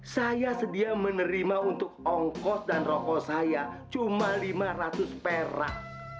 saya sedia menerima untuk ongkos dan rokok saya cuma lima ratus perak